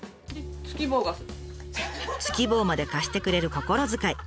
突き棒まで貸してくれる心遣い。